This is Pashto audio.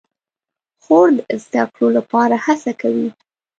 خور د زده کړو لپاره هڅه کوي.